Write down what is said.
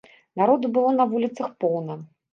Народу было на вуліцах поўна.